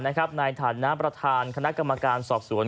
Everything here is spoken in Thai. ในฐานะประธานคณะกรรมการสอบสวน